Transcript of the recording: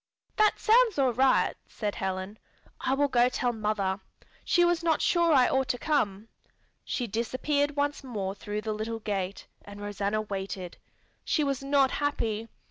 '" "That sounds all right," said Helen. "I will go tell mother. She was not sure I ought to come." She disappeared once more through the little gate, and Rosanna waited. She was not happy.